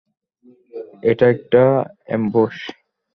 এটা একটা অ্যাম্বুশ!